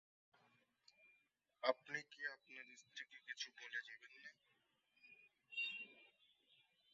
আপনি কি আপনার স্ত্রীকে কিছু বলে যাবেন না?